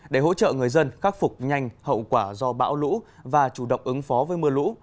để hỗ trợ người dân khắc phục nhanh hậu quả do bão lũ và chủ động ứng phó với mưa lũ